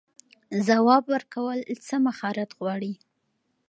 ځواب ورکول څه مهارت غواړي؟